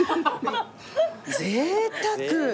ぜいたく！